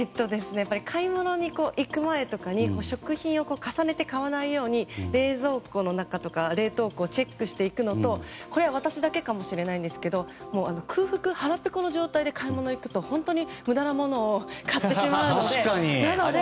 買い物に行く前とかに食品を重ねて買わないように冷蔵庫の中とか冷凍庫をチェックしていくのとこれは私だけかもしれませんが空腹、腹ペコの状態で買い物に行くと本当に無駄なものを買ってしまうので。